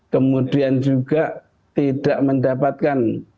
kemudian juga tidak mendapatkan